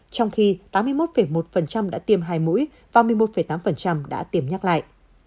trong khi tám mươi một một đã tiêm hai mũi và một mươi một tám đã tiêm nhắc lại